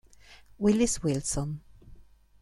Willis Wilson